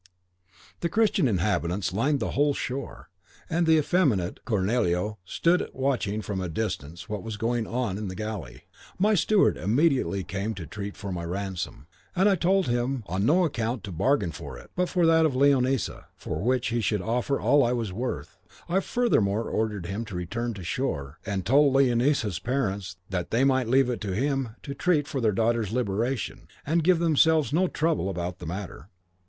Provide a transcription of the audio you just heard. The Christian inhabitants lined the whole shore, and the effeminate Cornelio stood watching from a distance what was going on in the galley. My steward immediately came to treat for my ransom, and I told him on no account to bargain for it but for that of Leonisa, for which he should offer all I was worth. I furthermore ordered him to return to shore, and toll Leonisa's parents that they might leave it to him to treat for their daughter's liberation, and give themselves no trouble about the matter.